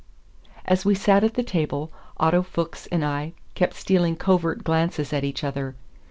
As we sat at the table Otto Fuchs and I kept stealing covert glances at each other.